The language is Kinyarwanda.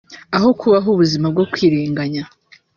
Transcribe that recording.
Aho kubaho ubuzima bwo kwirenganya